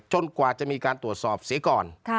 กว่าจะมีการตรวจสอบเสียก่อน